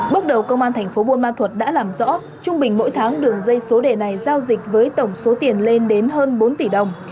bước đầu công an thành phố buôn ma thuật đã làm rõ trung bình mỗi tháng đường dây số đề này giao dịch với tổng số tiền lên đến hơn bốn tỷ đồng